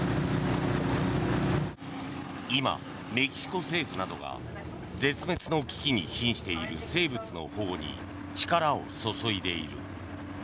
今、メキシコ政府などが絶滅の危機にひんしている生物の保護に力を注いでいる。